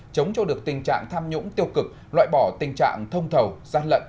chống cho được tình trạng tham nhũng tiêu cực loại bỏ tình trạng thông thầu gian lận